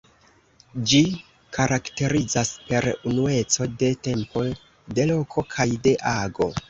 Ĝi karakterizas per unueco de tempo, de loko kaj de ago.